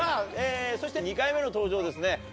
そして２回目の登場ですね。